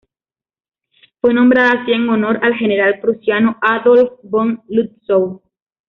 Fue nombrada así en honor al general prusiano Adolf von Lützow.